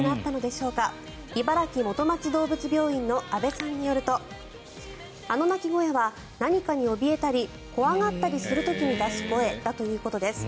どうぶつ病院の阿部さんによるとあの鳴き声は何かにおびえたり怖がったりする時に出す声だということです。